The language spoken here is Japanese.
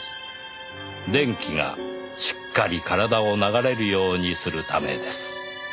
「電気がしっかり体を流れるようにするためです」